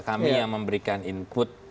kami yang memberikan input